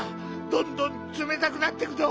どんどんつめたくなってくぞ。